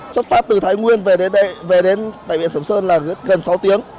xuất phát từ thái nguyên về đến bãi biển sầm sơn là gần sáu tiếng